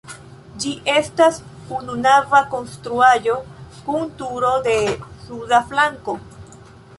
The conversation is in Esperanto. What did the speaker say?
Ĝi estas ununava konstruaĵo kun turo de suda flanko.